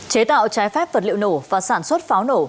chế tạo trái phép vật liệu nổ và sản xuất pháo nổ